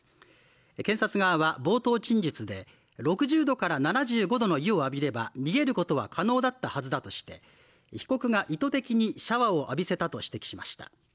検察側は冒頭陳述で、６０度から７５度の湯を浴びれば逃げることは可能だったはずだとして、被告が意図的にシャワーを浴びせたと指摘しました。